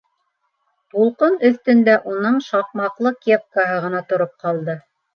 Тулҡын өҫтөндә уның шаҡмаҡлы кепкаһы ғына тороп ҡалды.